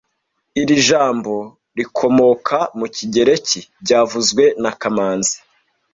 Iri jambo rikomoka mu kigereki byavuzwe na kamanzi